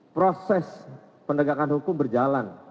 proses penegakan hukum berjalan